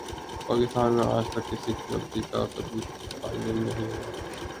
پاکستان میں آج تک کسی کی غلطی کا کبھی تعین نہیں ہوا